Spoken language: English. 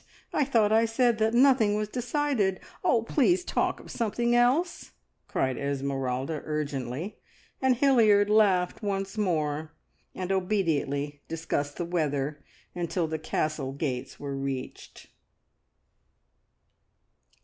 I thought I said that nothing was decided. Oh, please talk of something else!" cried Esmeralda urgently; and Hilliard laughed once more, and obediently discussed the weather until the Castle gates were reached.